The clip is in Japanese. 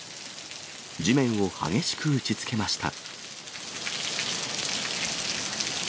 地面を激しく打ちつけました。